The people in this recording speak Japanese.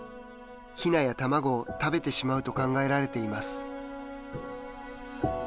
ヒナや卵を食べてしまうと考えられています。